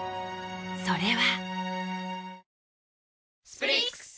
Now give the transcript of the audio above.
それは］